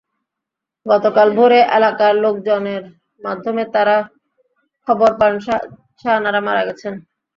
গতকাল ভোরে এলাকার লোকজনের মাধ্যমে তাঁরা খবর পান শাহানারা মারা গেছেন।